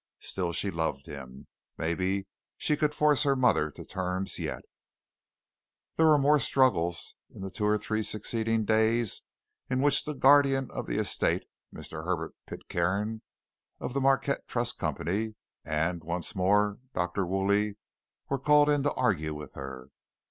Still she loved him. Maybe she could force her mother to terms yet. There were more struggles in the two or three succeeding days, in which the guardian of the estate Mr. Herbert Pitcairn, of the Marquardt Trust Company, and, once more, Dr. Woolley, were called in to argue with her.